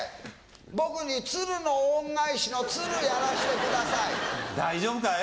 僕に『鶴の恩返し』の鶴やらせてください。大丈夫かい？